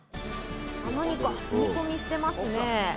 何か積み込みしてますね。